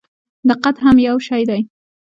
دقت هم یو شی دی.